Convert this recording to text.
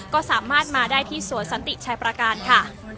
ก็สามารถมาได้ที่สวนสันติชัยประการค่ะ